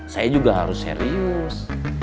saya juga harus serius